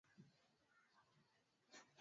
shinikizo la Seljuks na Mongols Baadhi ya Waturuki